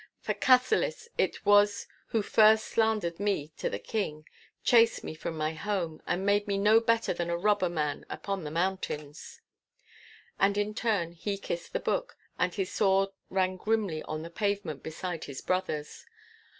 For Cassillis it was who first slandered me to the King, chased me from my home, and made me no better than a robber man upon the mountains.' And in turn he kissed the Book, and his sword rang grimly on the pavement beside his brother's.